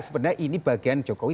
sebenarnya ini bagian jokowi